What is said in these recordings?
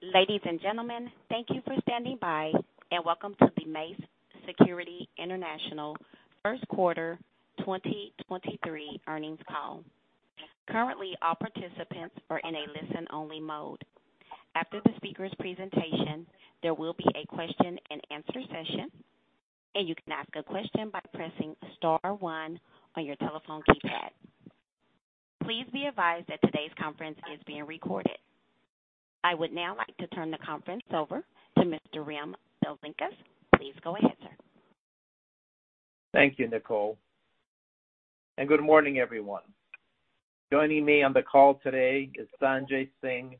Ladies and gentlemen, thank you for standing by. Welcome to the Mace Security International First Quarter 2023 Earnings Call. Currently, all participants are in a listen-only mode. After the speaker's presentation, there will be a question-and-answer session. You can ask a question by pressing star one on your telephone keypad. Please be advised that today's conference is being recorded. I would now like to turn the conference over to Mr. Rem Belinkas. Please go ahead, sir. Thank you, Nicole, and good morning, everyone. Joining me on the call today is Sanjay Singh,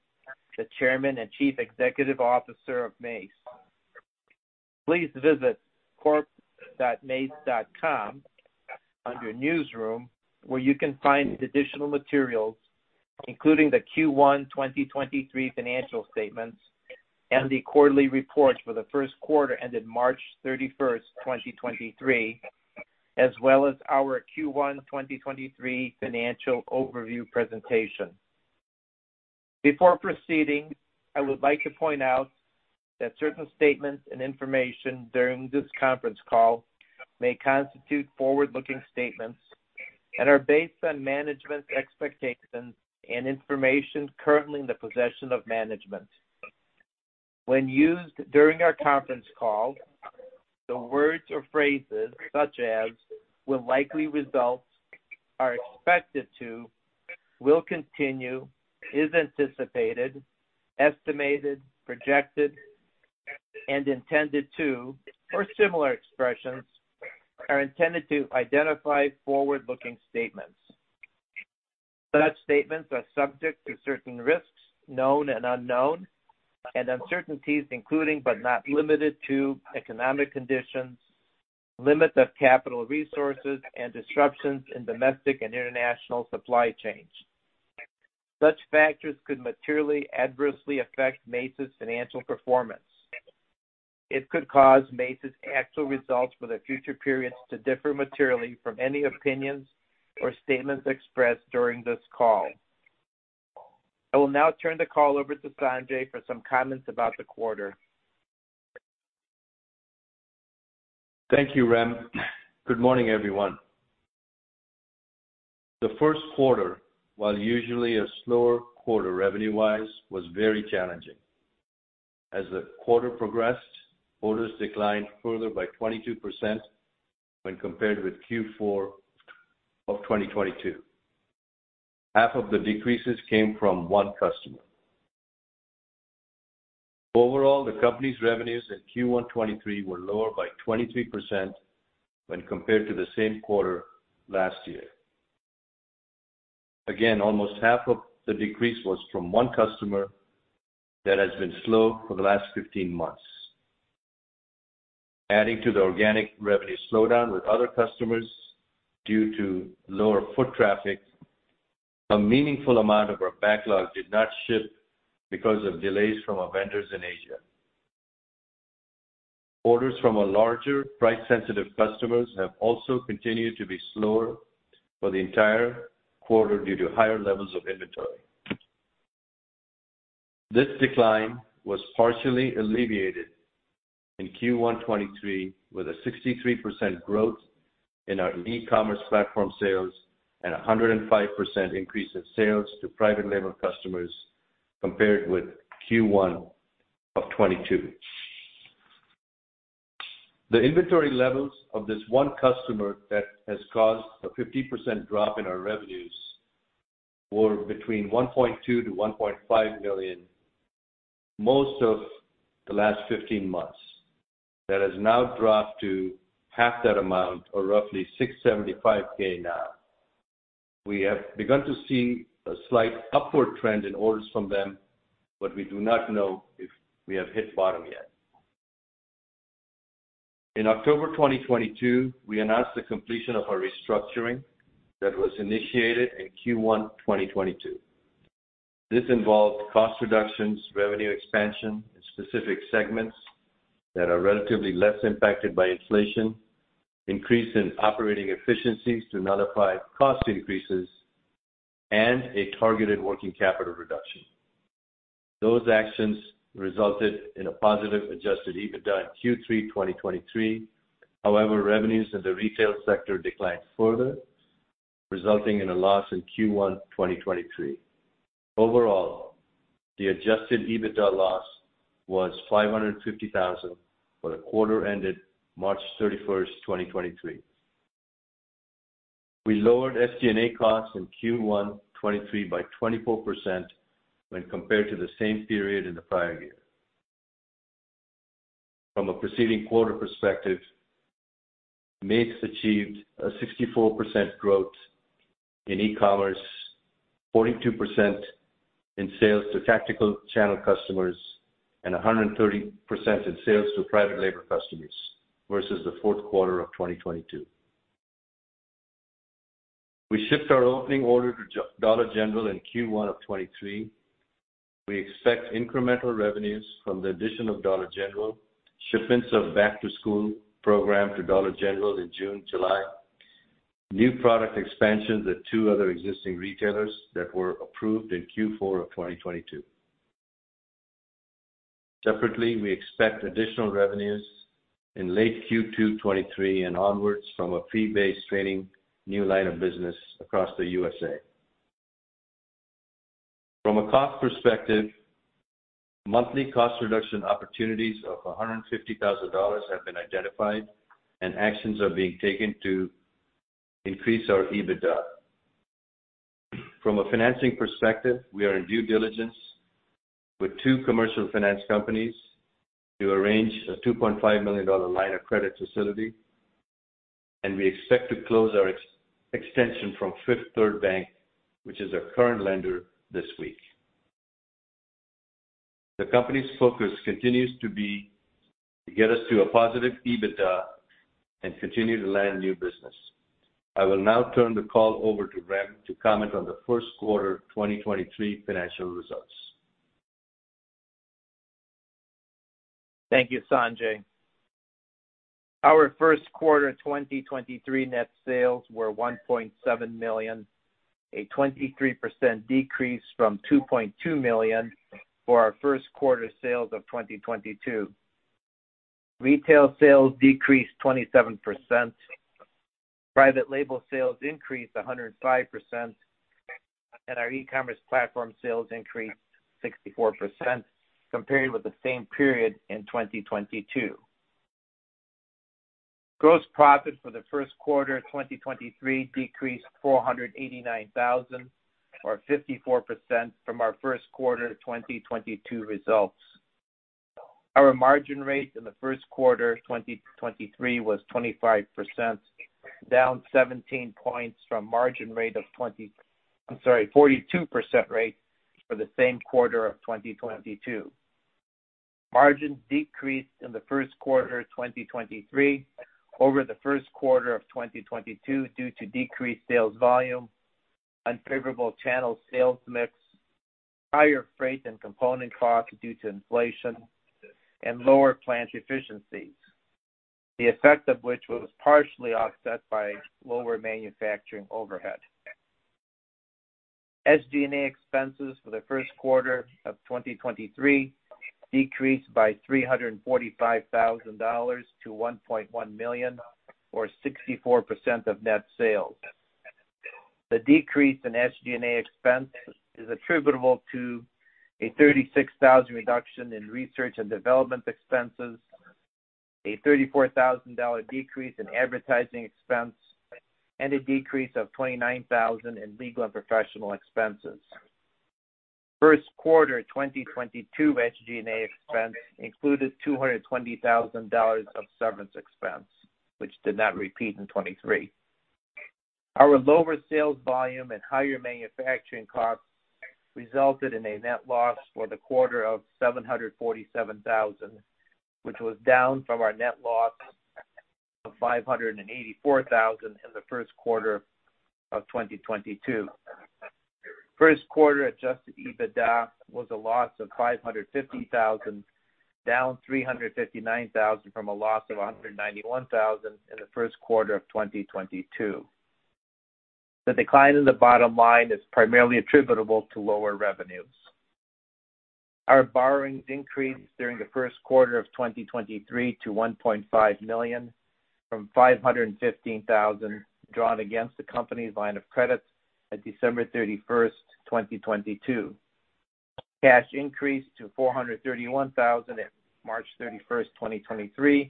the Chairman and Chief Executive Officer of Mace. Please visit corp.mace.com under Newsroom, where you can find additional materials, including the Q1 2023 financial statements and the quarterly reports for the first quarter ended March 31, 2023, as well as our Q1 2023 financial overview presentation. Before proceeding, I would like to point out that certain statements and information during this conference call may constitute forward-looking statements and are based on management's expectations and information currently in the possession of management. When used during our conference call, the words or phrases such as will likely result, are expected to, will continue, is anticipated, estimated, projected, and intended to, or similar expressions, are intended to identify forward-looking statements. Such statements are subject to certain risks, known and unknown, and uncertainties, including, but not limited to, economic conditions, limits of capital resources, and disruptions in domestic and international supply chains. Such factors could materially adversely affect Mace's financial performance. It could cause Mace's actual results for the future periods to differ materially from any opinions or statements expressed during this call. I will now turn the call over to Sanjay for some comments about the quarter. Thank you, Rem. Good morning, everyone. The first quarter, while usually a slower quarter revenue-wise, was very challenging. As the quarter progressed, orders declined further by 22% when compared with Q4 of 2022. Half of the decreases came from one customer. Overall, the company's revenues in Q1 2023 were lower by 23% when compared to the same quarter last year. Again, almost half of the decrease was from one customer that has been slow for the last 15 months. Adding to the organic revenue slowdown with other customers due to lower foot traffic, a meaningful amount of our backlog did not ship because of delays from our vendors in Asia. Orders from our larger, price-sensitive customers have also continued to be slower for the entire quarter due to higher levels of inventory. This decline was partially alleviated in Q1 2023, with a 63% growth in our e-commerce platform sales and a 105% increase in sales to private label customers compared with Q1 2022. The inventory levels of this one customer that has caused a 50% drop in our revenues were between $1.2 million-$1.5 million, most of the last 15 months. That has now dropped to half that amount, or roughly $675K now. We have begun to see a slight upward trend in orders from them, but we do not know if we have hit bottom yet. In October 2022, we announced the completion of our restructuring that was initiated in Q1 2022. This involved cost reductions, revenue expansion in specific segments that are relatively less impacted by inflation, increase in operating efficiencies to nullify cost increases, and a targeted working capital reduction. Those actions resulted in a positive adjusted EBITDA in Q3 2023. Revenues in the retail sector declined further, resulting in a loss in Q1 2023. Overall, the adjusted EBITDA loss was $550,000 for the quarter ended March 31st, 2023. We lowered SG&A costs in Q1 2023 by 24% when compared to the same period in the prior year. From a preceding quarter perspective, Mace achieved a 64% growth in e-commerce, 42% in sales to tactical channel customers, and 130% in sales to private label customers versus the fourth quarter of 2022. We shipped our opening order to Dollar General in Q1 of 2023. We expect incremental revenues from the addition of Dollar General, shipments of back-to-school program to Dollar General in June, July. New product expansions at two other existing retailers that were approved in Q4 of 2022. Separately, we expect additional revenues in late Q2 2023 and onwards from a fee-based training new line of business across the USA. From a cost perspective, monthly cost reduction opportunities of $150,000 have been identified. Actions are being taken to increase our EBITDA. From a financing perspective, we are in due diligence with two commercial finance companies to arrange a $2.5 million line of credit facility. We expect to close our extension from Fifth Third Bank, which is our current lender, this week. The company's focus continues to be to get us to a positive EBITDA and continue to land new business. I will now turn the call over to Rem to comment on the first quarter 2023 financial results. Thank you, Sanjay. Our first quarter 2023 net sales were $1.7 million, a 23% decrease from $2.2 million for our first quarter sales of 2022. Retail sales decreased 27%, private label sales increased 105%, our e-commerce platform sales increased 64%, compared with the same period in 2022. Gross profit for the first quarter 2023 decreased $489,000, or 54%, from our first quarter 2022 results. Our margin rate in the first quarter 2023 was 25%, down 17 points from margin rate of 42% for the same quarter of 2022. Margins decreased in the first quarter 2023 over the first quarter of 2022 due to decreased sales volume, unfavorable channel sales mix, higher freight and component costs due to inflation, and lower plant efficiencies. The effect of which was partially offset by lower manufacturing overhead. SG&A expenses for the first quarter of 2023 decreased by $345,000 to $1.1 million, or 64% of net sales. The decrease in SG&A expense is attributable to a $36,000 reduction in research and development expenses, a $34,000 decrease in advertising expense, and a decrease of $29,000 in legal and professional expenses. First quarter 2022 SG&A expense included $220,000 of severance expense, which did not repeat in 2023. Our lower sales volume and higher manufacturing costs resulted in a net loss for the quarter of $747,000, which was down from our net loss of $584,000 in the first quarter of 2022. First quarter adjusted EBITDA was a loss of $550,000, down $359,000 from a loss of $191,000 in the first quarter of 2022. The decline in the bottom line is primarily attributable to lower revenues. Our borrowings increased during the first quarter of 2023 to $1.5 million, from $515,000, drawn against the company's line of credit at December 31st, 2022. Cash increased to $431,000 at March 31st, 2023,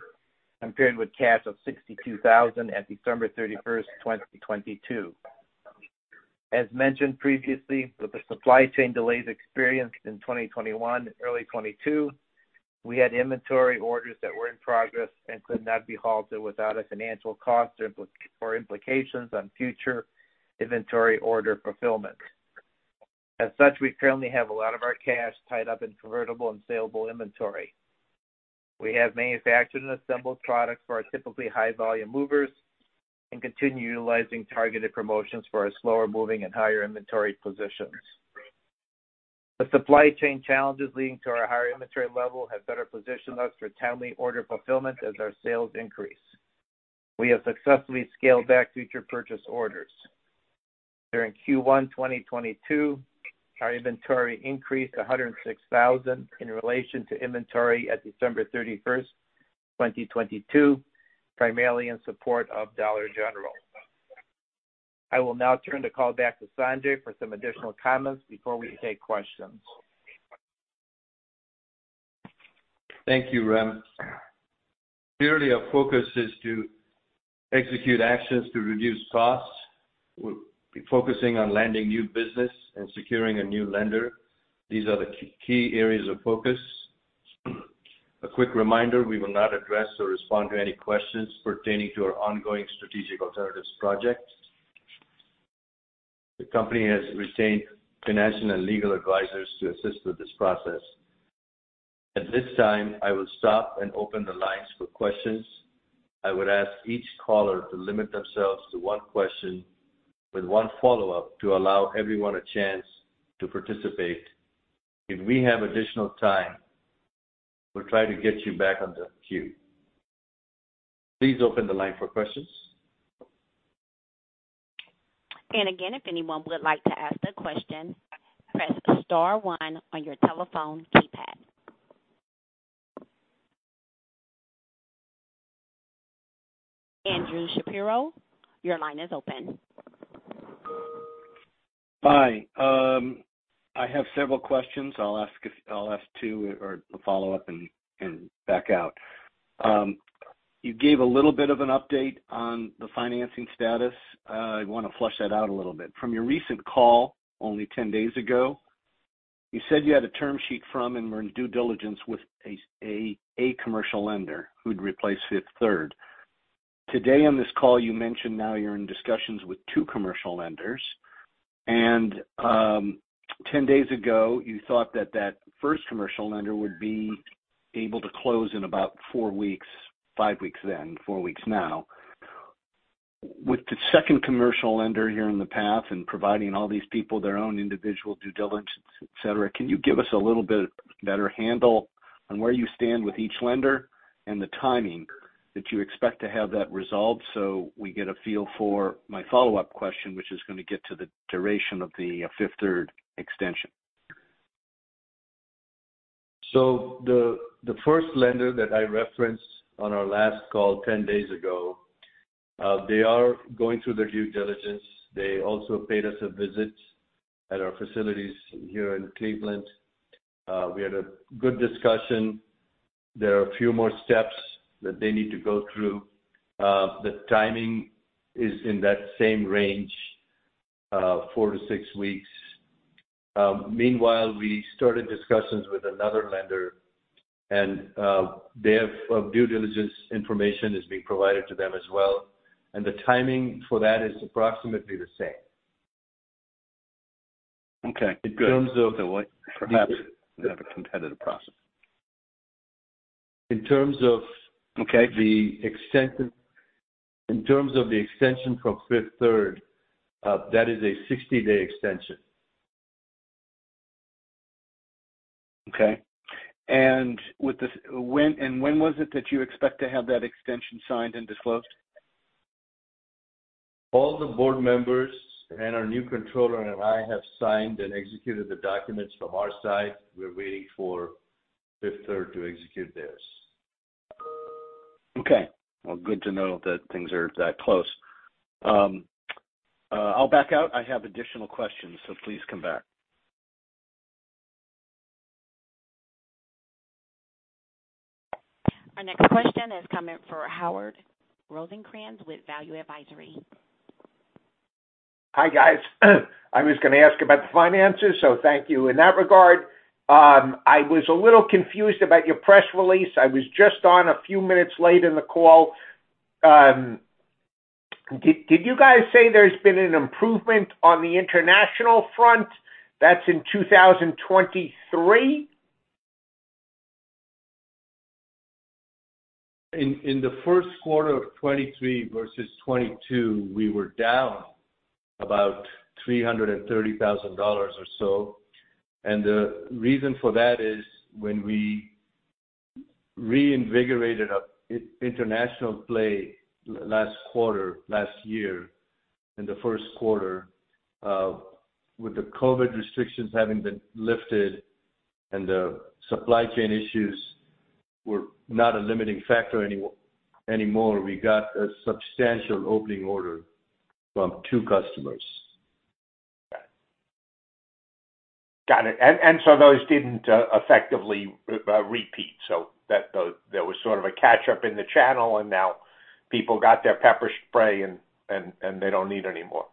compared with cash of $62,000 at December 31st, 2022. As mentioned previously, with the supply chain delays experienced in 2021, early 2022, we had inventory orders that were in progress and could not be halted without a financial cost or implications on future inventory order fulfillment. We currently have a lot of our cash tied up in convertible and salable inventory. We have manufactured and assembled products for our typically high-volume movers and continue utilizing targeted promotions for our slower-moving and higher inventory positions. The supply chain challenges leading to our higher inventory level have better positioned us for timely order fulfillment as our sales increase. We have successfully scaled back future purchase orders. During Q1, 2022, our inventory increased 106,000 in relation to inventory at December 31st, 2022, primarily in support of Dollar General. I will now turn the call back to Sanjay for some additional comments before we take questions. Thank you, Rem. Clearly, our focus is to execute actions to reduce costs. We'll be focusing on landing new business and securing a new lender. These are the key areas of focus. A quick reminder, we will not address or respond to any questions pertaining to our ongoing strategic alternatives project. The company has retained financial and legal advisors to assist with this process. At this time, I will stop and open the lines for questions. I would ask each caller to limit themselves to one question with one follow-up, to allow everyone a chance to participate. If we have additional time, we'll try to get you back on the queue. Please open the line for questions. Again, if anyone would like to ask a question, press star one on your telephone keypad. Andrew Shapiro, your line is open. Hi, I have several questions. I'll ask two or follow up and back out. You gave a little bit of an update on the financing status. I want to flush that out a little bit. From your recent call, only 10 days ago, you said you had a term sheet from and were in due diligence with a commercial lender who'd replace Fifth Third. Today, on this call, you mentioned now you're in discussions with two commercial lenders, and 10 days ago, you thought that that first commercial lender would be able to close in about four weeks, five weeks then, four weeks now. With the second commercial lender here in the path and providing all these people their own individual due diligence, et cetera, can you give us a little bit better handle on where you stand with each lender and the timing that you expect to have that resolved? We get a feel for my follow-up question, which is going to get to the duration of the Fifth Third extension. The first lender that I referenced on our last call 10 days ago, they are going through their due diligence. They also paid us a visit at our facilities here in Cleveland. We had a good discussion. There are a few more steps that they need to go through. The timing is in that same range, 4-6 weeks. Meanwhile, we started discussions with another lender, and they have due diligence information is being provided to them as well, and the timing for that is approximately the same. Okay, good. In terms of... Perhaps you have a competitive process. In terms of- Okay... The extension. In terms of the extension from Fifth Third, that is a 60-day extension. Okay. With this, when, and when was it that you expect to have that extension signed and disclosed? All the board members and our new controller and I have signed and executed the documents from our side. We're waiting for Fifth Third to execute theirs. Okay, well, good to know that things are that close. I'll back out. I have additional questions, so please come back. Our next question is coming for Howard Rosencrans with Value Advisory. Hi, guys. I was going to ask about the finances, so thank you in that regard. I was a little confused about your press release. I was just on a few minutes late in the call. Did you guys say there's been an improvement on the international front that's in 2023? In the first quarter of 2023 versus 2022, we were down about $330,000 or so. The reason for that is when we reinvigorated our international play last quarter, last year, in the first quarter, with the COVID restrictions having been lifted and the supply chain issues were not a limiting factor anymore, we got a substantial opening order from two customers. Got it. Those didn't, effectively, repeat. That, there was sort of a catch-up in the channel, and now people got their pepper spray and they don't need anymore.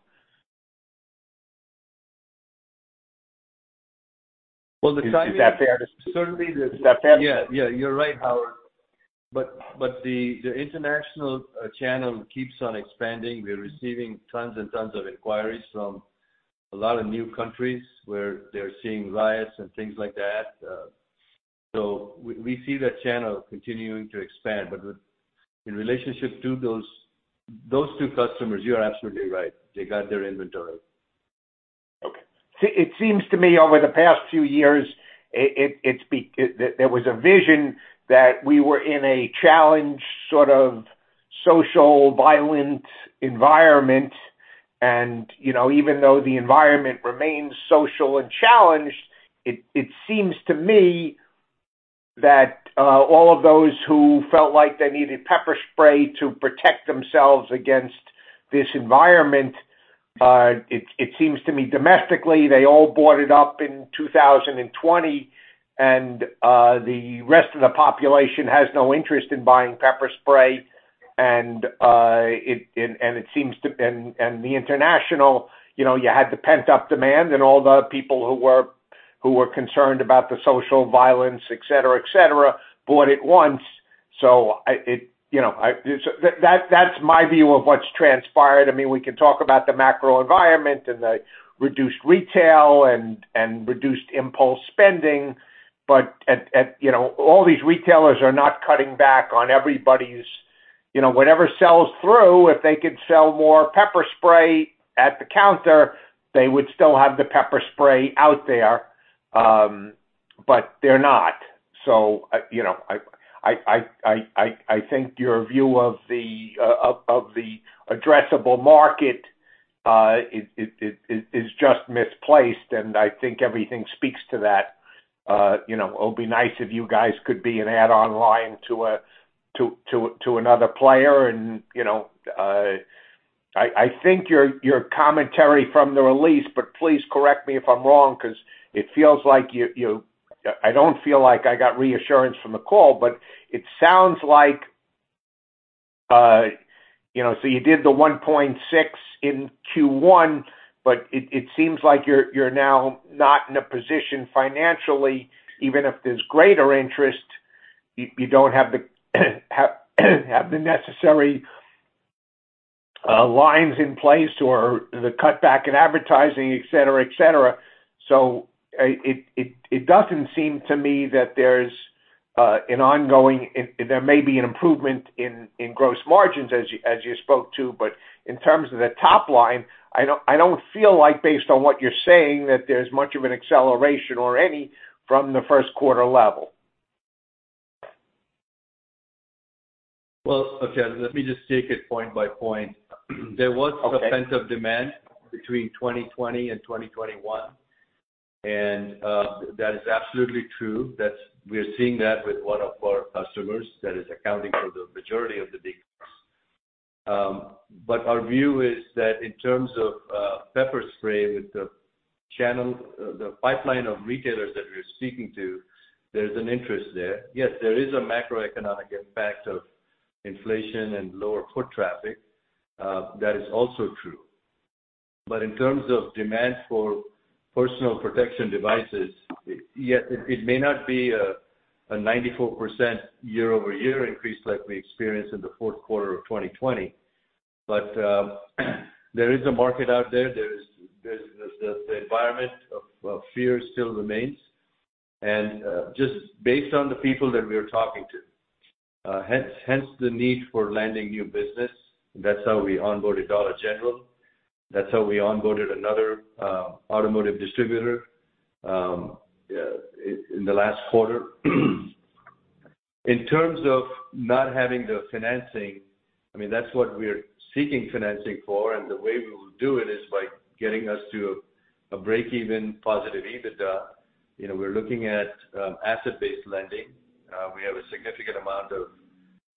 Well, the time- Is that fair to say? Certainly. Is that fair? Yeah, you're right, Howard. The international channel keeps on expanding. We're receiving tons and tons of inquiries from a lot of new countries where they're seeing riots and things like that. We see that channel continuing to expand, but in relationship to those two customers, you are absolutely right, they got their inventory. Okay. It, it seems to me over the past few years, it, there was a vision that we were in a challenged, sort of, social, violent environment. You know, even though the environment remains social and challenged, it seems to me that all of those who felt like they needed Pepper Spray to protect themselves against this environment, it seems to me domestically, they all bought it up in 2020. The rest of the population has no interest in buying Pepper Spray. It, and the international, you know, you had the pent-up demand and all the people who were concerned about the social violence, et cetera, et cetera, bought it once. I, it, you know, I, that's my view of what's transpired. I mean, we can talk about the macro environment and reduced retail and reduced impulse spending, but at, you know, all these retailers are not cutting back on everybody's... you know, whatever sells through, if they could sell more pepper spray at the counter, they would still have the pepper spray out there, but they're not. You know, I think your view of the of the addressable market is just misplaced, and I think everything speaks to that. You know, it'll be nice if you guys could be an add online to another player. You know, I think your commentary from the release, but please correct me if I'm wrong, 'cause it feels like you, I don't feel like I got reassurance from the call, but it sounds like, you know, so you did the $1.6 in Q1, but it seems like you're now not in a position financially, even if there's greater interest, you don't have the necessary lines in place or the cutback in advertising, et cetera, et cetera. It doesn't seem to me that there's an ongoing. There may be an improvement in gross margins as you spoke to, but in terms of the top line, I don't feel like based on what you're saying, that there's much of an acceleration or any from the first quarter level. Well, okay, let me just take it point by point. Okay. There was pent-up demand between 2020 and 2021, and that is absolutely true. That's we're seeing that with one of our customers that is accounting for the majority of the decrease. Our view is that in terms of pepper spray, with the channel, the pipeline of retailers that we're speaking to, there's an interest there. Yes, there is a macroeconomic impact of inflation and lower foot traffic. That is also true. In terms of demand for personal protection devices, yes, it may not be a 94% year-over-year increase like we experienced in the fourth quarter of 2020, but there is a market out there. There's the environment of fear still remains. Just based on the people that we are talking to, hence the need for landing new business. That's how we onboarded Dollar General. That's how we onboarded another automotive distributor in the last quarter. In terms of not having the financing, I mean, that's what we're seeking financing for. The way we will do it is by getting us to a break-even positive EBITDA. You know, we're looking at asset-based lending. We have a significant amount of,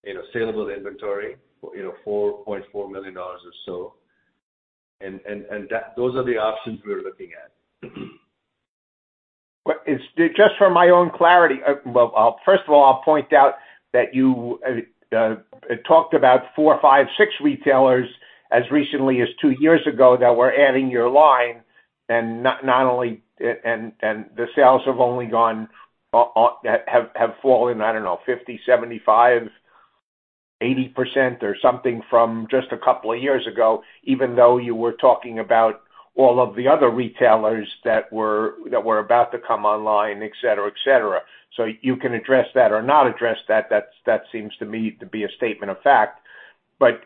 you know, saleable inventory, you know, $4.4 million or so, and those are the options we're looking at. Just for my own clarity, well, first of all, I'll point out that you talked about 4, 5, 6 retailers as recently as 2 years ago, that were adding your line, and not only, and the sales have only gone, have fallen, I don't know, 50%, 75%, 80% or something from just a couple of years ago, even though you were talking about all of the other retailers that were about to come online, et cetera, et cetera. You can address that or not address that's, that seems to me to be a statement of fact.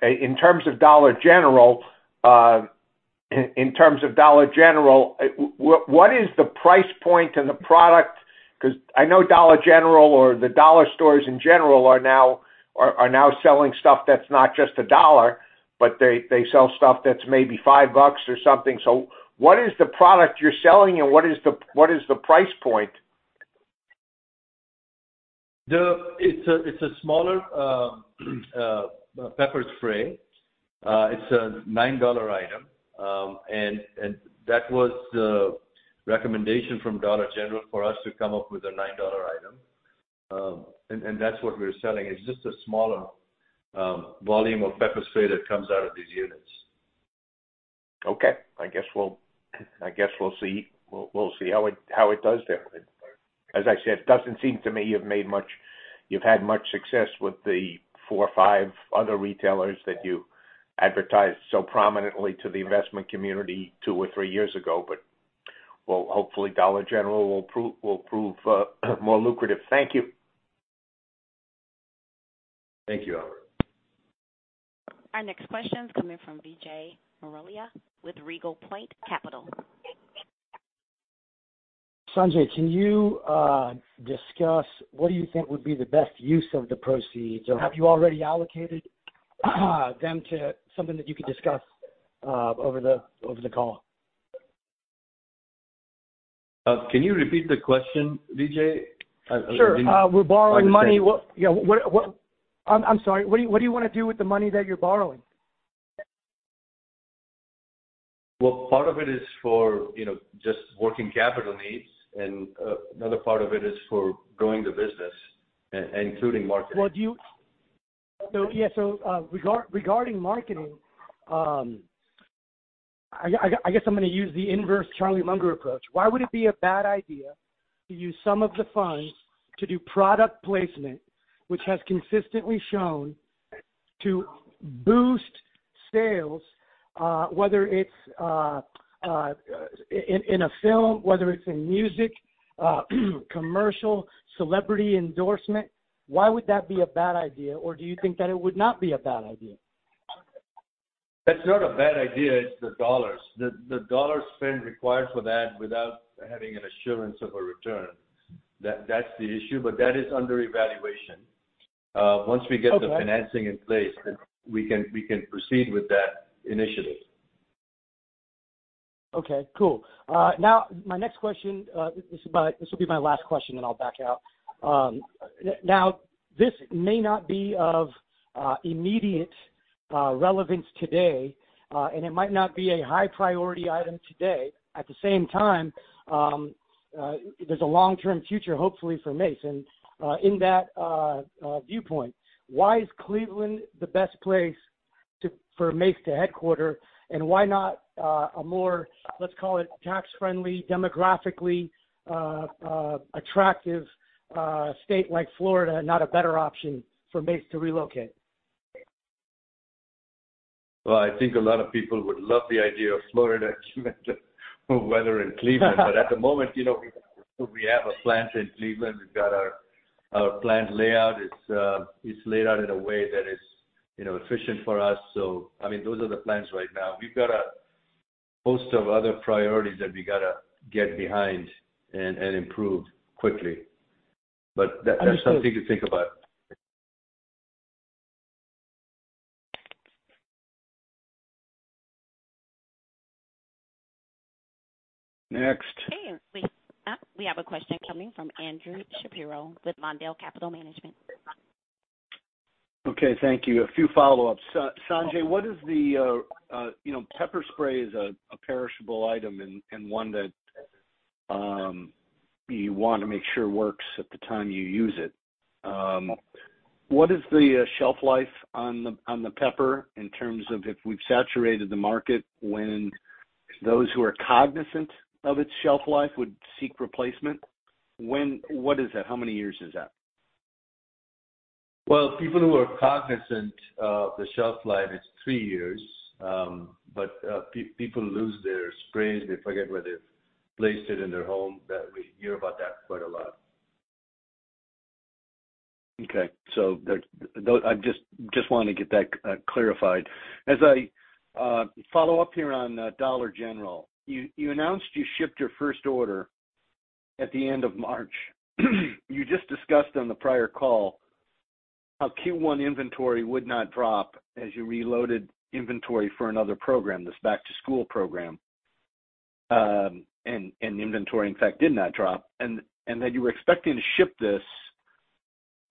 In terms of Dollar General, what is the price point in the product? Because I know Dollar General or the dollar stores in general, are now selling stuff that's not just $1, but they sell stuff that's maybe $5 or something. What is the product you're selling and what is the price point? It's a smaller pepper spray. It's a $9 item. That was the recommendation from Dollar General for us to come up with a $9 item. That's what we're selling. It's just a smaller volume of pepper spray that comes out of these units. Okay. I guess we'll see. We'll see how it does there. As I said, it doesn't seem to me you've had much success with the four or five other retailers that you advertised so prominently to the investment community two or three years ago. Well, hopefully, Dollar General will prove more lucrative. Thank you. Thank you, Albert. Our next question is coming from Vijay Marolia with Regal Point Capital. Sanjay, can you discuss what do you think would be the best use of the proceeds, or have you already allocated, them to something that you can discuss over the call? Can you repeat the question, Vijay? Sure. We're borrowing money. Yeah, what. I'm sorry, what do you want to do with the money that you're borrowing? Well, part of it is for, you know, just working capital needs, and another part of it is for growing the business, including marketing. Well, yeah, regarding marketing, I guess I'm going to use the inverse Charlie Munger approach. Why would it be a bad idea to use some of the funds to do product placement, which has consistently shown to boost sales, whether it's in a film, whether it's in music, commercial, celebrity endorsement, why would that be a bad idea, or do you think that it would not be a bad idea? That's not a bad idea, it's the dollars. The dollar spend required for that without having an assurance of a return, that's the issue, but that is under evaluation. Okay. The financing in place, then we can proceed with that initiative. Okay, cool. Now, my next question, this will be my last question, then I'll back out. Now, this may not be of immediate relevance today, and it might not be a high priority item today. At the same time, there's a long-term future, hopefully for Mace. In that viewpoint, why is Cleveland the best place for Mace to headquarter? Why not a more, let's call it, tax-friendly, demographically attractive state like Florida, not a better option for Mace to relocate? Well, I think a lot of people would love the idea of Florida weather in Cleveland. At the moment, you know, we have a plant in Cleveland. We've got our plant layout. It's laid out in a way that is, you know, efficient for us. I mean, those are the plans right now. We've got a host of other priorities that we gotta get behind and improve quickly. That- Understood. That's something to think about. Next. Okay, we have a question coming from Andrew Shapiro with Lawndale Capital Management. Okay, thank you. A few follow-ups. Sanjay, you know, Pepper Spray is a perishable item and one that you want to make sure works at the time you use it. What is the shelf life on the Pepper Spray in terms of if we've saturated the market when those who are cognizant of its shelf life would seek replacement? What is that? How many years is that? Well, people who are cognizant of the shelf life, it's 3 years. People lose their sprays. They forget where they've placed it in their home, that we hear about that quite a lot. Okay. There, I just want to get that clarified. As I follow up here on Dollar General, you announced you shipped your first order at the end of March. You just discussed on the prior call how Q1 inventory would not drop as you reloaded inventory for another program, this back-to-school program. Inventory, in fact, did not drop, and that you were expecting to ship this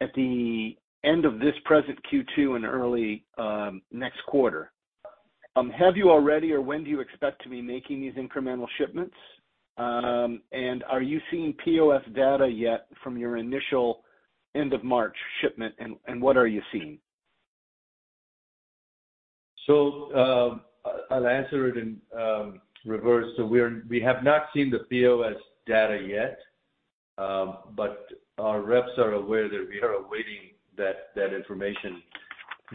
at the end of this present Q2 and early next quarter. Have you already, or when do you expect to be making these incremental shipments? Are you seeing POS data yet from your initial end of March shipment, and what are you seeing? I'll answer it in reverse. We have not seen the POS data yet, but our reps are aware that we are awaiting that information.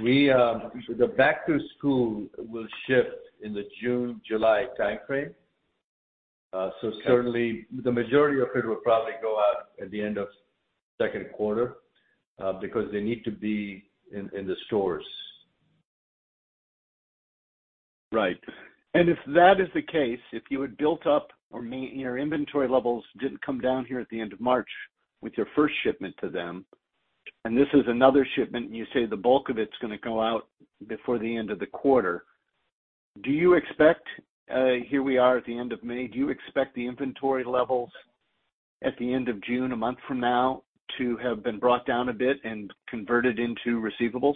We, the back to school will ship in the June, July time frame. Okay. The majority of it will probably go out at the end of second quarter, because they need to be in the stores. Right. If that is the case, if you had built up or your inventory levels didn't come down here at the end of March with your first shipment to them, and this is another shipment, and you say the bulk of it's gonna go out before the end of the quarter. Do you expect, here we are at the end of May, do you expect the inventory levels at the end of June, a month from now, to have been brought down a bit and converted into receivables?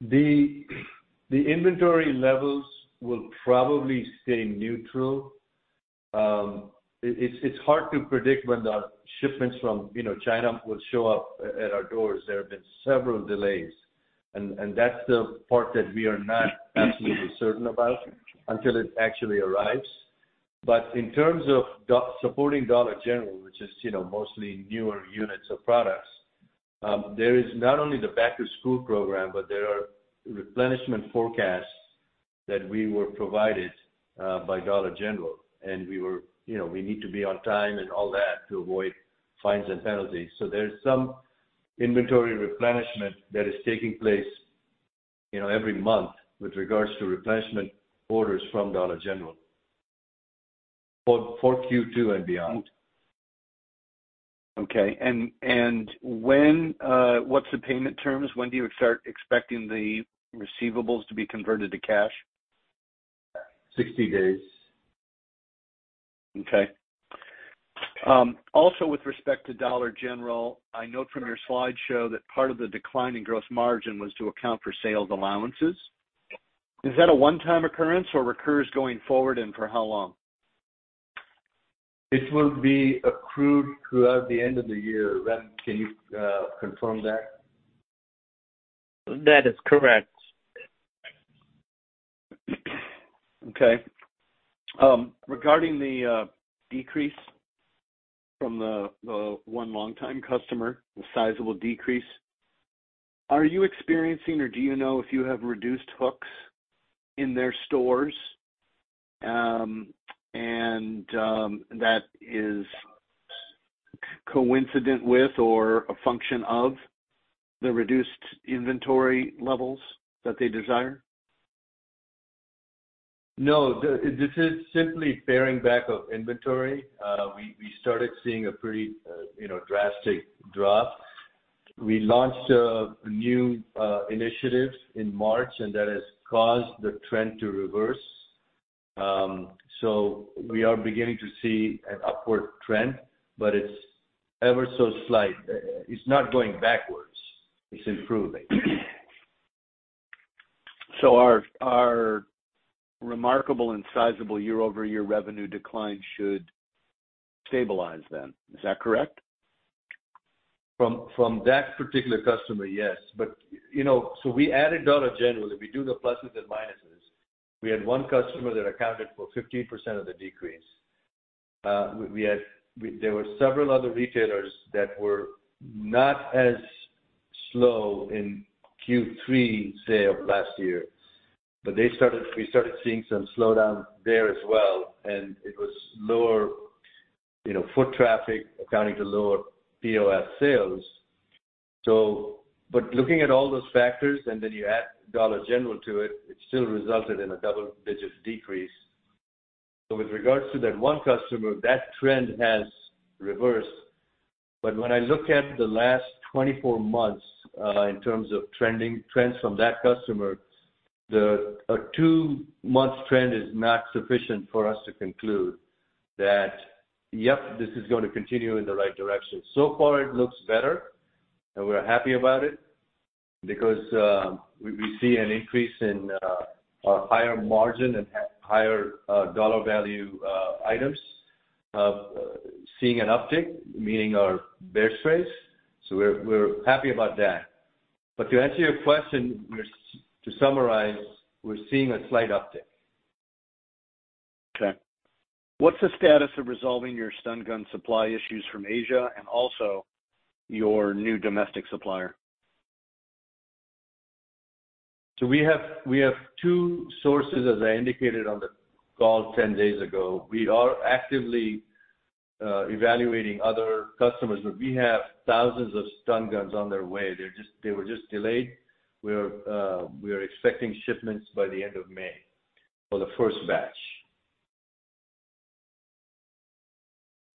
The inventory levels will probably stay neutral. it's hard to predict when the shipments from, you know, China will show up at our doors. There have been several delays, and that's the part that we are not absolutely certain about until it actually arrives. But in terms of supporting Dollar General, which is, you know, mostly newer units of products, there is not only the back-to-school program, but there are replenishment forecasts that we were provided by Dollar General, and you know, we need to be on time and all that to avoid fines and penalties. There's some inventory replenishment that is taking place, you know, every month with regards to replenishment orders from Dollar General for Q2 and beyond. Okay. When, what's the payment terms? When do you expecting the receivables to be converted to cash? 60 days. Okay. With respect to Dollar General, I note from your slideshow that part of the decline in gross margin was to account for sales allowances. Is that a one-time occurrence or recurs going forward, and for how long? It will be accrued throughout the end of the year. Ram, can you confirm that? That is correct. Okay. Regarding the decrease from the one longtime customer, the sizable decrease, are you experiencing or do you know if you have reduced hooks in their stores, and that is coincident with or a function of the reduced inventory levels that they desire? No, this is simply paring back of inventory. We started seeing a pretty, you know, drastic drop. We launched a new initiative in March. That has caused the trend to reverse. We are beginning to see an upward trend, but it's ever so slight. It's not going backwards, it's improving. Our remarkable and sizable year-over-year revenue decline should stabilize then. Is that correct? From that particular customer, yes. You know, we added Dollar General. If we do the pluses and minuses, we had 1 customer that accounted for 15% of the decrease. There were several other retailers that were not as slow in Q3, say, of last year, but they started, we started seeing some slowdown there as well, and it was lower, you know, foot traffic accounting to lower POS sales. Looking at all those factors, and then you add Dollar General to it still resulted in a double-digit decrease. With regards to that 1 customer, that trend has reversed. When I look at the last 24 months, in terms of trending, trends from that customer, a 2-month trend is not sufficient for us to conclude that, yep, this is going to continue in the right direction. So far, it looks better, and we're happy about it because we see an increase in higher margin and higher dollar value items seeing an uptick, meaning our Bear Sprays. We're happy about that. To answer your question, to summarize, we're seeing a slight uptick. Okay. What's the status of resolving your stun gun supply issues from Asia and also your new domestic supplier? We have two sources, as I indicated on the call 10 days ago. We are actively evaluating other customers. We have thousands of Stun Guns on their way. They were just delayed. We are expecting shipments by the end of May for the first batch.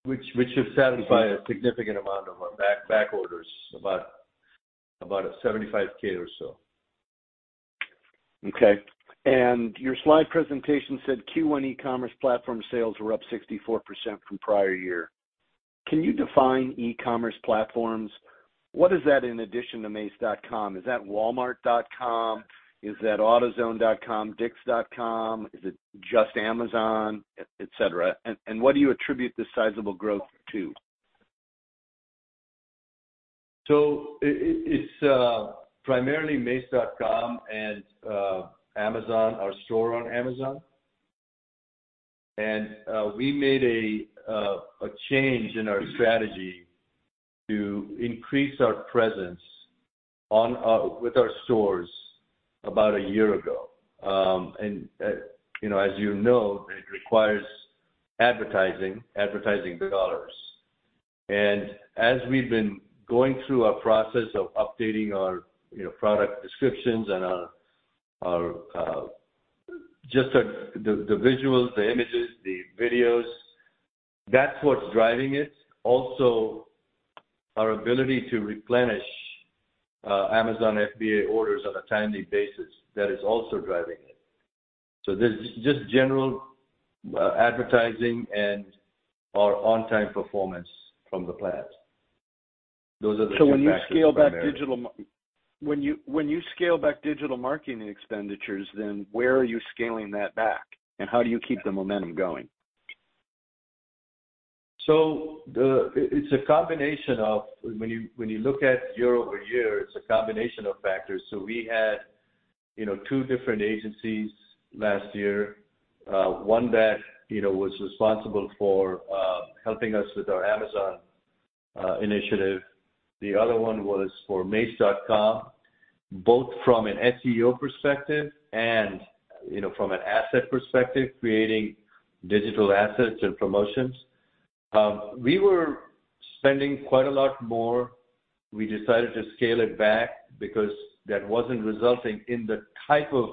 Which should satisfy a significant amount of our back orders, about $75K or so. Okay. Your slide presentation said Q1 e-commerce platform sales were up 64% from prior year. Can you define e-commerce platforms? What is that in addition to mace.com? Is that walmart.com? Is that autozone.com? Is it just Amazon, et cetera? What do you attribute this sizable growth to? It's primarily mace.com and Amazon, our store on Amazon. We made a change in our strategy to increase our presence with our stores about a year ago. You know, as you know, it requires advertising dollars. As we've been going through a process of updating our, you know, product descriptions and our, just our, the visuals, the images, the videos, that's what's driving it. Also, our ability to replenish Amazon FBA orders on a timely basis, that is also driving it. There's just general advertising and our on-time performance from the plants. Those are the 2 factors primarily. When you scale back digital marketing expenditures, where are you scaling that back, and how do you keep the momentum going? The, it's a combination of... When you look at year-over-year, it's a combination of factors. We had, you know, two different agencies last year. One that, you know, was responsible for helping us with our Amazon initiative. The other one was for mace.com, both from an SEO perspective and, you know, from an asset perspective, creating digital assets and promotions. We were spending quite a lot more. We decided to scale it back because that wasn't resulting in the type of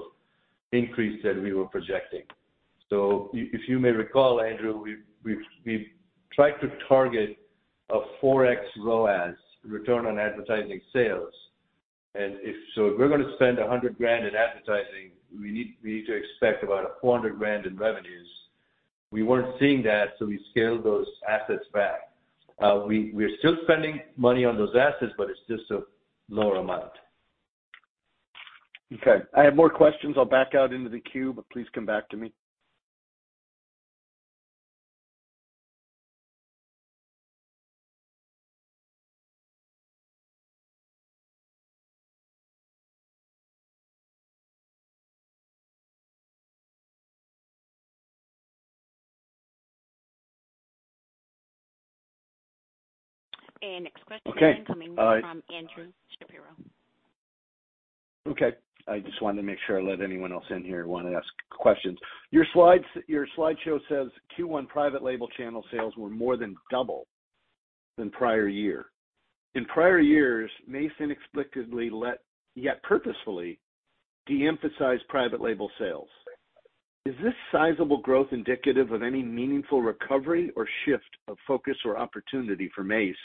increase that we were projecting. If you may recall, Andrew, we've tried to target a 4x ROAS, return on advertising sales. If, so, if we're going to spend $100,000 in advertising, we need to expect about $400,000 in revenues. We weren't seeing that. We scaled those assets back. We're still spending money on those assets. It's just a lower amount. Okay. I have more questions. I'll back out into the queue, but please come back to me. ... next question coming in from Andrew Shapiro. Okay. I just wanted to make sure I let anyone else in here want to ask questions. Your slides, your slideshow says Q1 private label channel sales were more than double than prior year. In prior years, Mace inexplicably let, yet purposefully, de-emphasized private label sales. Is this sizable growth indicative of any meaningful recovery or shift of focus or opportunity for Mace?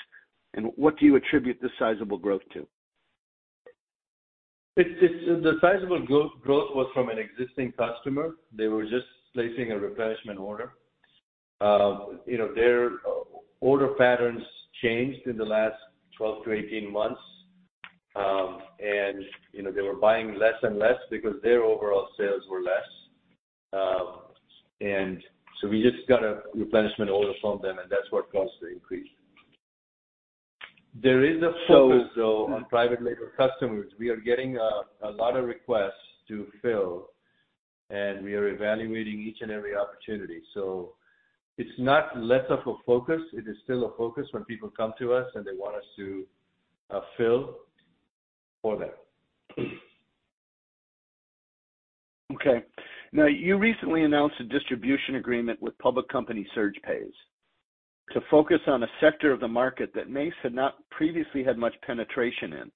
What do you attribute this sizable growth to? It's the sizable growth was from an existing customer. They were just placing a replenishment order. You know, their order patterns changed in the last 12 to 18 months. You know, they were buying less and less because their overall sales were less. We just got a replenishment order from them, and that's what caused the increase. There is a focus, though, on private label customers. We are getting a lot of requests to fill, and we are evaluating each and every opportunity. It's not less of a focus. It is still a focus when people come to us, and they want us to fill for them. Okay, now, you recently announced a distribution agreement with public company SurgePays to focus on a sector of the market that Mace had not previously had much penetration in.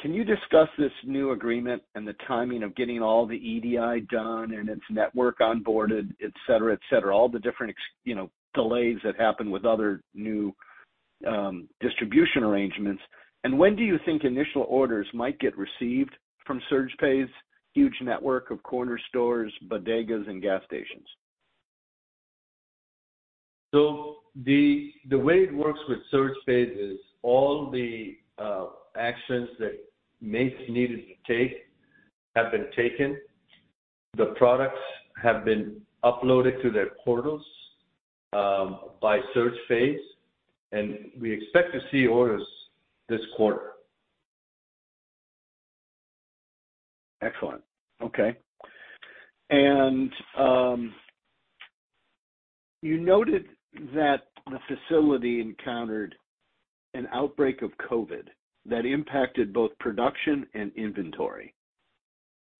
Can you discuss this new agreement and the timing of getting all the EDI done and its network onboarded, et cetera, et cetera, all the different You know, delays that happen with other new distribution arrangements. When do you think initial orders might get received from SurgePays' huge network of corner stores, bodegas, and gas stations? The, the way it works with Surge Pays is all the actions that Mace needed to take have been taken. The products have been uploaded to their portals, by Surge Pays, and we expect to see orders this quarter. Excellent. Okay. You noted that the facility encountered an outbreak of COVID that impacted both production and inventory.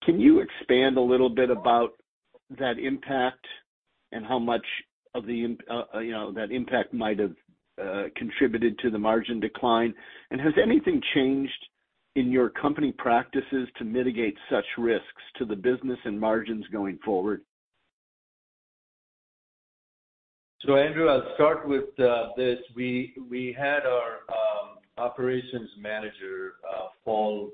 Can you expand a little bit about that impact and how much of the, you know, that impact might have contributed to the margin decline? Has anything changed in your company practices to mitigate such risks to the business and margins going forward? Andrew, I'll start with this. We had our operations manager fall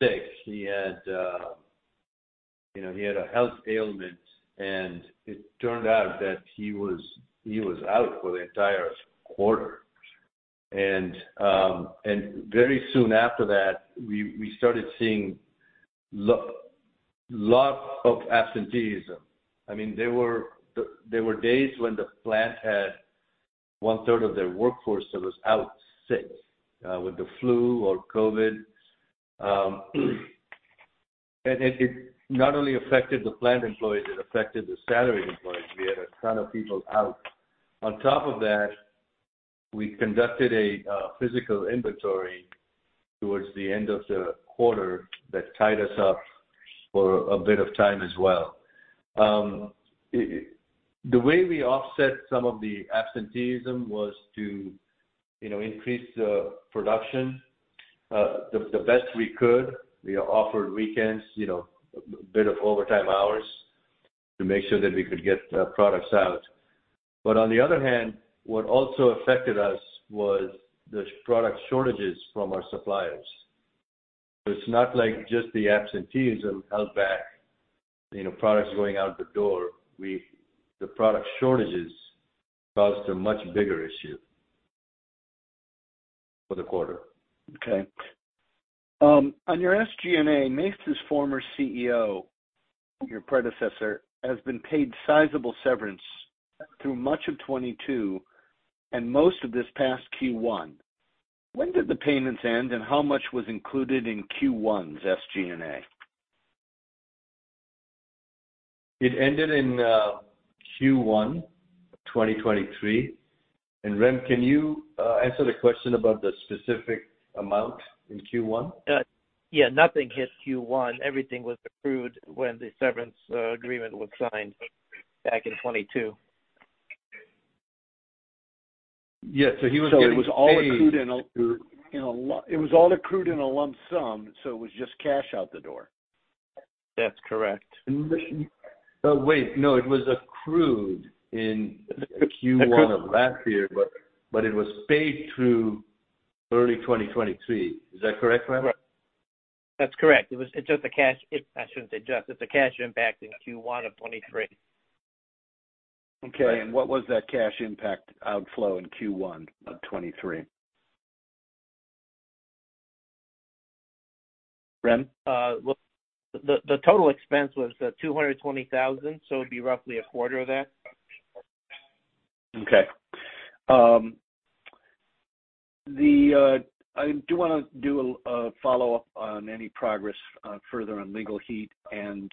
sick. He had, you know, he had a health ailment, and it turned out that he was out for the entire quarter. very soon after that, we started seeing lot of absenteeism. I mean, there were days when the plant had one-third of their workforce that was out sick with the flu or COVID. and it not only affected the plant employees, it affected the salaried employees. We had a ton of people out. On top of that, we conducted a physical inventory towards the end of the quarter that tied us up for a bit of time as well. it, the way we offset some of the absenteeism was to, you know, increase the production, the best we could. We offered weekends, you know, a bit of overtime hours to make sure that we could get the products out. On the other hand, what also affected us was the product shortages from our suppliers. It's not like just the absenteeism held back, you know, products going out the door. The product shortages caused a much bigger issue for the quarter. Okay. On your SG&A, Mace's former CEO, your predecessor, has been paid sizable severance through much of 2022 and most of this past Q1. When did the payments end, and how much was included in Q1's SG&A? It ended in Q1 2023. Rem, can you answer the question about the specific amount in Q1? Yeah, nothing hit Q1. Everything was accrued when the severance agreement was signed back in 2022. Yeah. he was getting paid- It was all accrued in a lump sum, so it was just cash out the door? That's correct. wait, no, it was accrued in Q1 of last year, but it was paid through early 2023. Is that correct, Rem? That's correct. It was, it's just a cash... I shouldn't say just, it's a cash impact in Q1 of 2023. Okay. What was that cash impact outflow in Q1 of 2023? Rem? Well, the total expense was $220,000, so it'd be roughly a quarter of that. Okay. The, I do want to do a follow-up on any progress further on Legal Heat and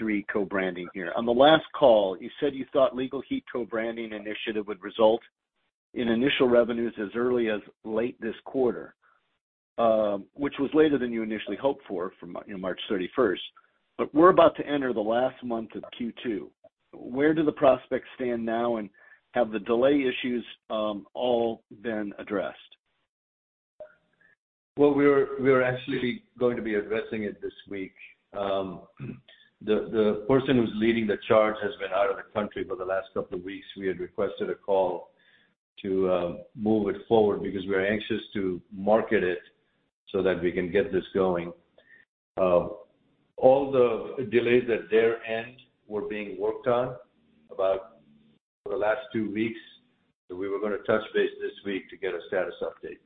F3 co-branding here. On the last call, you said you thought Legal Heat co-branding initiative would result in initial revenues as early as late this quarter, which was later than you initially hoped for from, you know, March 31st. We're about to enter the last month of Q2. Where do the prospects stand now, and have the delay issues all been addressed? Well, we're actually going to be addressing it this week. The person who's leading the charge has been out of the country for the last couple of weeks. We had requested a call to move it forward because we are anxious to market it so that we can get this going. All the delays at their end were being worked on about the last 2 weeks, so we were going to touch base this week to get a status update.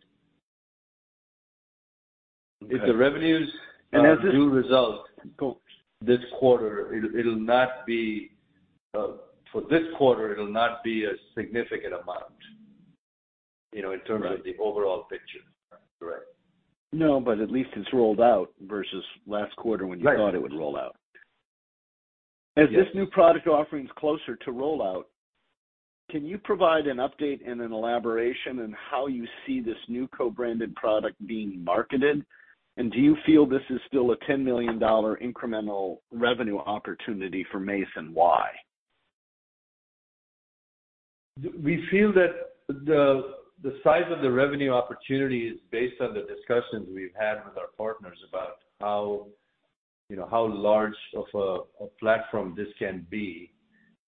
If the revenues do. Cool. this quarter, it'll not be for this quarter, it'll not be a significant amount, you know, in terms of the overall picture. Correct. No, at least it's rolled out versus last quarter when you thought it would roll out. Right. As this new product offering is closer to rollout, can you provide an update and an elaboration on how you see this new co-branded product being marketed? Do you feel this is still a $10 million incremental revenue opportunity for Mace? Why? We feel that the size of the revenue opportunity is based on the discussions we've had with our partners about how, you know, how large of a platform this can be.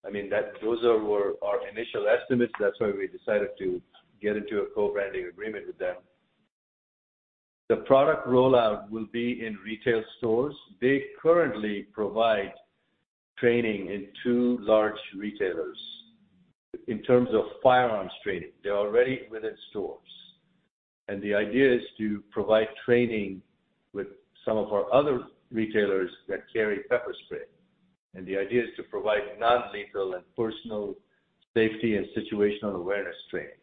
I mean, those were our initial estimates. That's why we decided to get into a co-branding agreement with them. The product rollout will be in retail stores. They currently provide training in 2 large retailers. In terms of firearms training, they're already within stores. The idea is to provide training with some of our other retailers that carry Pepper Spray. The idea is to provide non-lethal and personal safety and situational awareness training.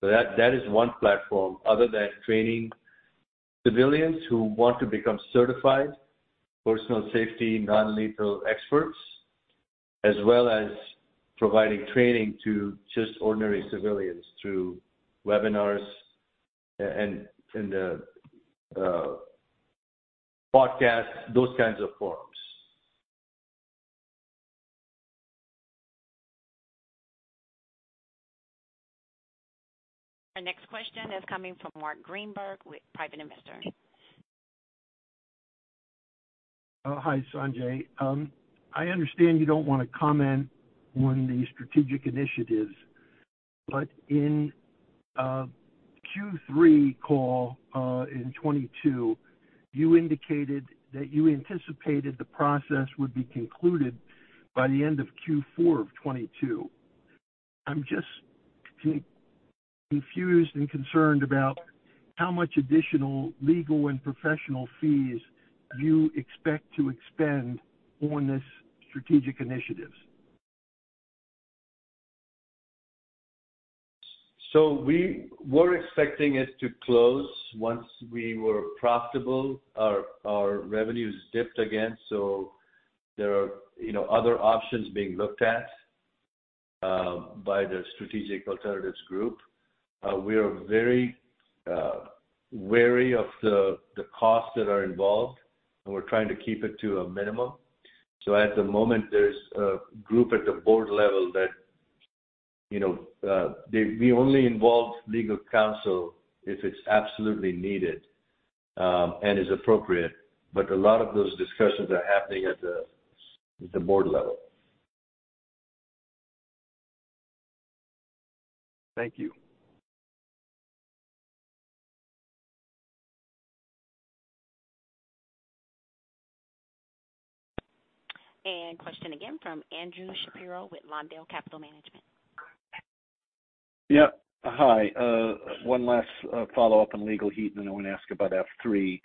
That is 1 platform other than training civilians who want to become certified personal safety, non-lethal experts, as well as providing training to just ordinary civilians through webinars and podcasts, those kinds of forums. Our next question is coming from Mark Greenberg with Private Investors. Hi, Sanjay. I understand you don't want to comment on the strategic initiatives, but in Q3 call, in 2022, you indicated that you anticipated the process would be concluded by the end of Q4 of 2022. I'm just confused and concerned about how much additional legal and professional fees you expect to expend on this strategic initiatives. We were expecting it to close once we were profitable. Our revenues dipped again. There are, you know, other options being looked at by the strategic alternatives group. We are very wary of the costs that are involved, and we're trying to keep it to a minimum. At the moment, there's a group at the board level that, you know, they, we only involve legal counsel if it's absolutely needed and is appropriate. A lot of those discussions are happening at the board level. Thank you. Question again from Andrew Shapiro with Lawndale Capital Management. Yeah. Hi. One last follow-up on Legal Heat. I want to ask about F3.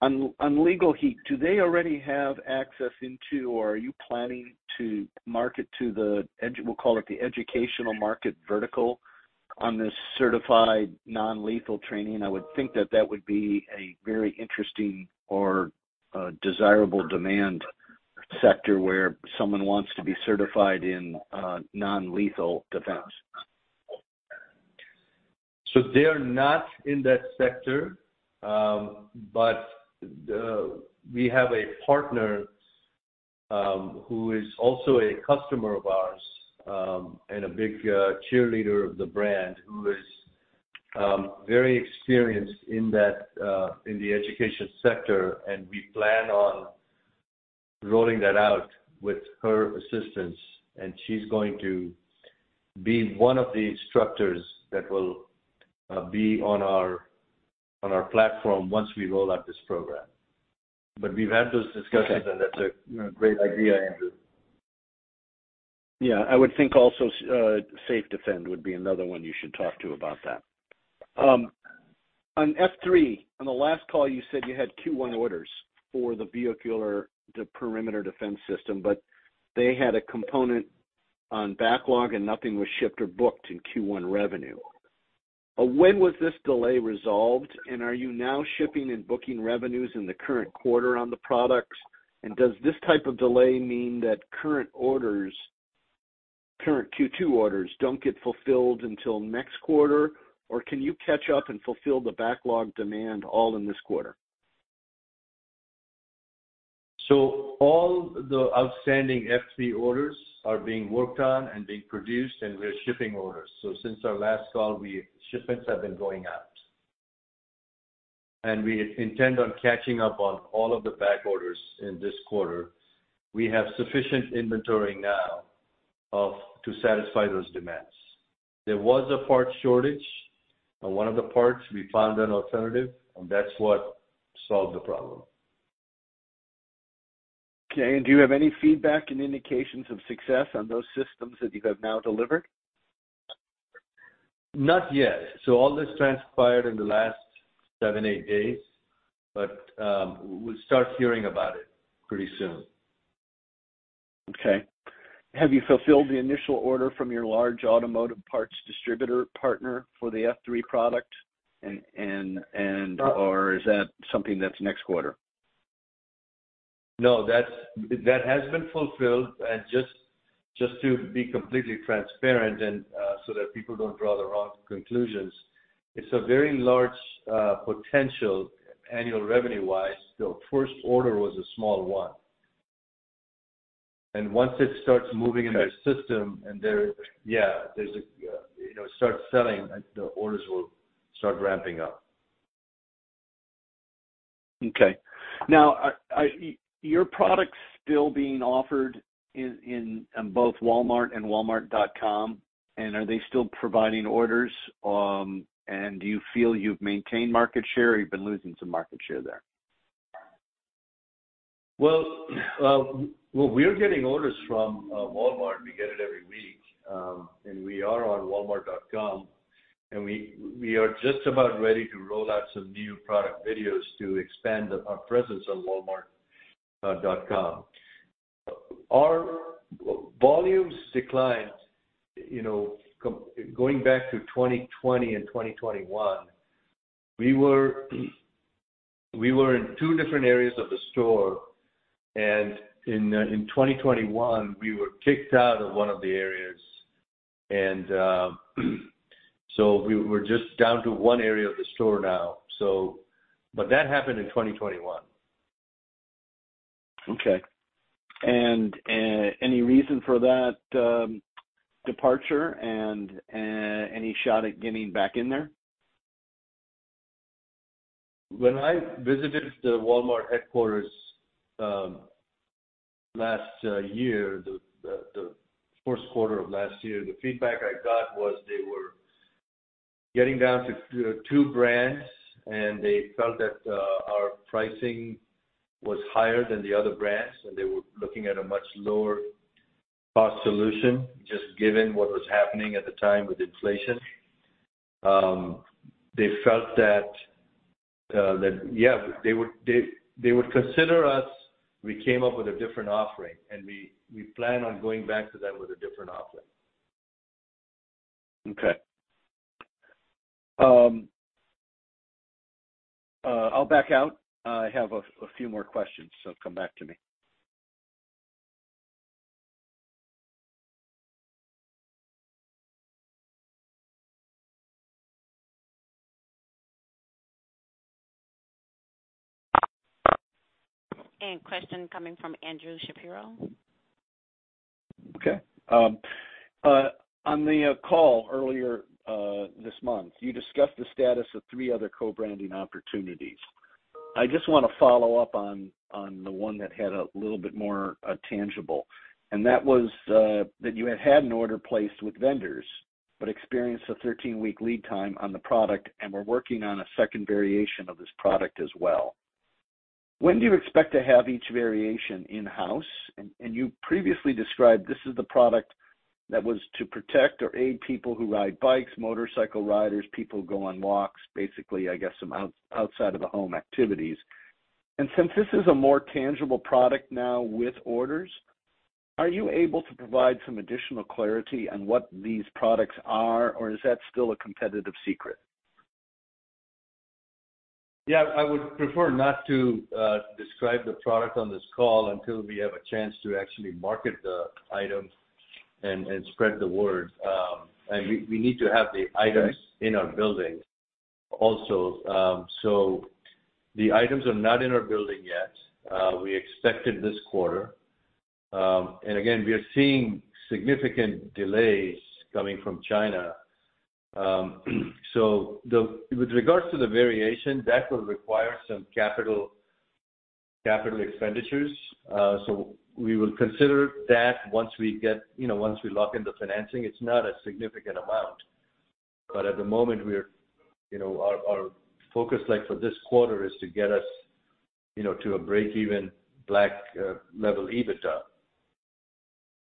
On Legal Heat, do they already have access into, or are you planning to market to the educational market vertical on this certified non-lethal training? I would think that would be a very interesting or desirable demand sector, where someone wants to be certified in non-lethal defense. They are not in that sector. We have a partner who is also a customer of ours and a big cheerleader of the brand, who is very experienced in that in the education sector, and we plan on rolling that out with her assistance. She's going to be one of the instructors that will be on our platform once we roll out this program. We've had those discussions. Okay. That's a, you know, great idea, Andrew. I would think also, SafeDefend would be another one you should talk to about that. On F3, on the last call, you said you had Q1 orders for the vehicular, the perimeter defense system, but they had a component on backlog, and nothing was shipped or booked in Q1 revenue. When was this delay resolved? Are you now shipping and booking revenues in the current quarter on the products? Does this type of delay mean that current orders, current Q2 orders, don't get fulfilled until next quarter? Can you catch up and fulfill the backlog demand all in this quarter? All the outstanding F3 orders are being worked on and being produced, and we're shipping orders. Since our last call, shipments have been going out. We intend on catching up on all of the back orders in this quarter. We have sufficient inventory now to satisfy those demands. There was a part shortage on one of the parts. We found an alternative, and that's what solved the problem. Okay. Do you have any feedback and indications of success on those systems that you have now delivered? Not yet. All this transpired in the last seven, eight days, but we'll start hearing about it pretty soon. Okay. Have you fulfilled the initial order from your large automotive parts distributor partner for the F3 product? Or is that something that's next quarter? No, that's been fulfilled. Just to be completely transparent and so that people don't draw the wrong conclusions, it's a very large potential annual revenue-wise, the first order was a small one. Once it starts moving in their system. Okay. There, yeah, there's a, you know, start selling, and the orders will start ramping up. Okay. Now, I, your product's still being offered in, on both Walmart and walmart.com, and are they still providing orders, and do you feel you've maintained market share, or you've been losing some market share there? We're getting orders from Walmart. We get it every week, we are on walmart.com, and we are just about ready to roll out some new product videos to expand our presence on walmart.com. Our volumes declined, you know, going back to 2020 and 2021, we were in 2 different areas of the store, and in 2021, we were kicked out of 1 of the areas. We're just down to 1 area of the store now. That happened in 2021. Okay. Any reason for that, departure, and, any shot at getting back in there? When I visited the Walmart headquarters, last year, the first quarter of last year, the feedback I got was they were getting down to two brands, and they felt that our pricing was higher than the other brands, and they were looking at a much lower cost solution, just given what was happening at the time with inflation. They felt that they would consider us, we came up with a different offering, and we plan on going back to them with a different offering. Okay. I'll back out. I have a few more questions. Come back to me. Question coming from Andrew Shapiro. Okay. On the call earlier this month, you discussed the status of 3 other co-branding opportunities. I just want to follow up on the one that had a little bit more tangible, and that was that you had had an order placed with vendors, but experienced a 13-week lead time on the product and were working on a second variation of this product as well. When do you expect to have each variation in-house? You previously described this is the product that was to protect or aid people who ride bikes, motorcycle riders, people who go on walks, basically, I guess, some out-outside of the home activities. Since this is a more tangible product now with orders, are you able to provide some additional clarity on what these products are, or is that still a competitive secret? Yeah, I would prefer not to, describe the product on this call until we have a chance to actually market the items and spread the word. We need to have the items. Okay. in our building also. The items are not in our building yet. We expect it this quarter. Again, we are seeing significant delays coming from China. With regards to the variation, that will require some capital expenditures. We will consider that once we get, you know, once we lock in the financing. It's not a significant amount, but at the moment, we're, you know, our focus, like, for this quarter, is to get us, you know, to a break-even black level EBITDA.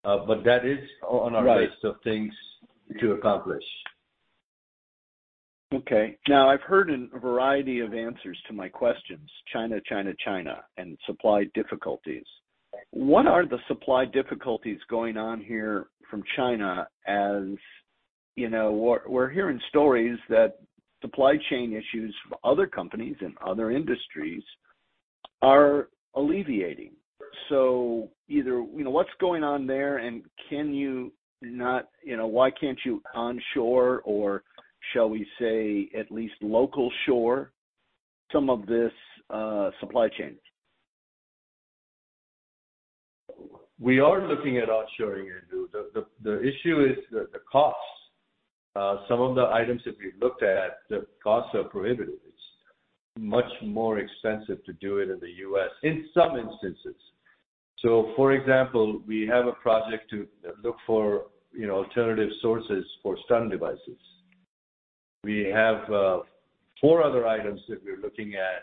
That is on our list of things to accomplish. Okay. Now, I've heard a variety of answers to my questions, China, China, and supply difficulties. What are the supply difficulties going on here from China? As you know, we're hearing stories that supply chain issues for other companies and other industries are alleviating. Either, you know, what's going on there, and can you not, you know, why can't you onshore, or shall we say at least local shore, some of this supply chain? We are looking at onshoring, Andrew. The issue is the costs. Some of the items that we've looked at, the costs are prohibitive. It's much more expensive to do it in the U.S. in some instances. For example, we have a project to look for, you know, alternative sources for stun devices. We have 4 other items that we're looking at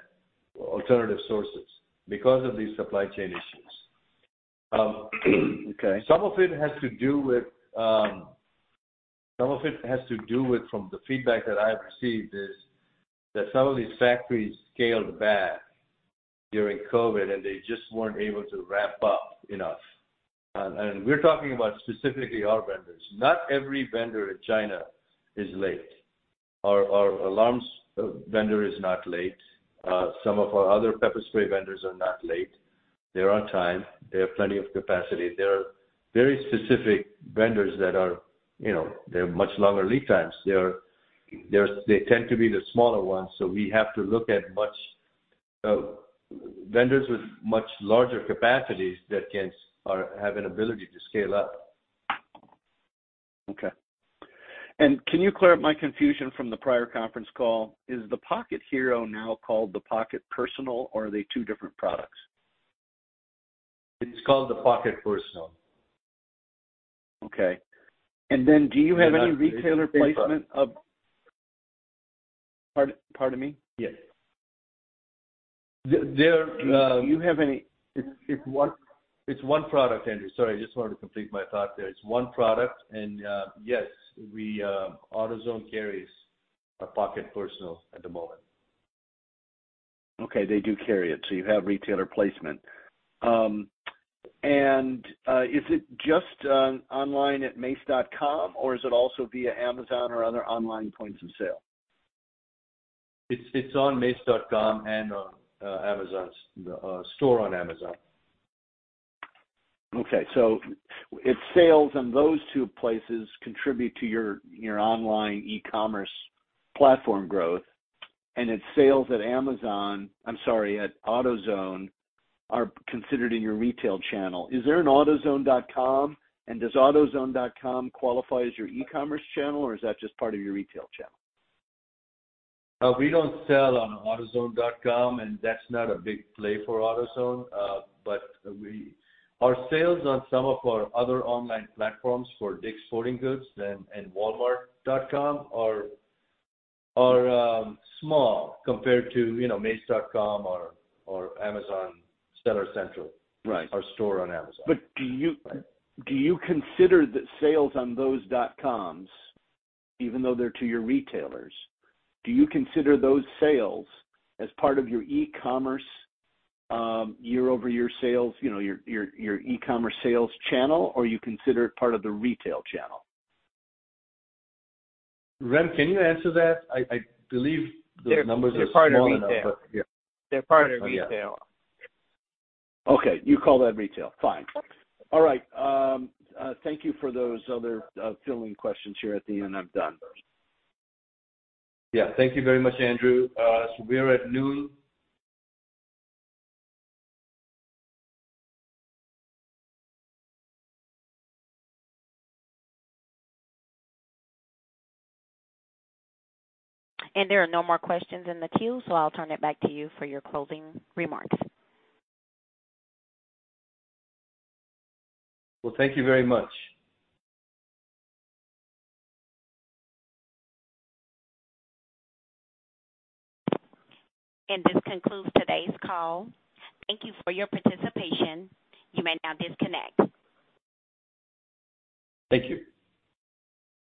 alternative sources because of these supply chain issues. Okay. Some of it has to do with, from the feedback that I have received, is that some of these factories scaled back during COVID, and they just weren't able to ramp up enough. We're talking about specifically our vendors. Not every vendor in China is late. Our alarms vendor is not late. Some of our other pepper spray vendors are not late. They're on time. They have plenty of capacity. There are very specific vendors that are, you know, they're much longer lead times. They tend to be the smaller ones, so we have to look at much vendors with much larger capacities that can have an ability to scale up. Okay. Can you clear up my confusion from the prior conference call? Is the Pocket Hero now called the Pocket Personal, or are they two different products? It's called the Pocket Personal. Okay. Then do you have any retailer placement of... Pardon me? Yes. There, Do you have. It's one, it's one product, Andrew. Sorry, I just wanted to complete my thought there. It's one product, and yes, we AutoZone carries our Pocket Personal at the moment. Okay, they do carry it. You have retailer placement. Is it just online at mace.com, or is it also via Amazon or other online points of sale? It's on mace.com and on Amazon store on Amazon. Okay. Its sales on those two places contribute to your online e-commerce platform growth, and its sales at Amazon, I'm sorry, at AutoZone, are considered in your retail channel. Is there an autozone.com, and does autozone.com qualify as your e-commerce channel, or is that just part of your retail channel? We don't sell on autozone.com, and that's not a big play for AutoZone. Our sales on some of our other online platforms for Sporting Goods and walmart.com are small compared to, you know, mace.com or Amazon Seller Central. Right. Our store on Amazon. Do you consider the sales on those dot coms, even though they're to your retailers, do you consider those sales as part of your e-commerce, year-over-year sales, you know, your e-commerce sales channel, or you consider it part of the retail channel? Rem, can you answer that? I believe the numbers are small enough, but yeah. They're part of retail. Yeah. They're part of retail. Okay, you call that retail. Fine. All right, thank you for those other, filling questions here at the end. I'm done. Yeah. Thank you very much, Andrew. We are at noon. There are no more questions in the queue, so I'll turn it back to you for your closing remarks. Well, thank you very much. This concludes today's call. Thank you for your participation. You may now disconnect. Thank you.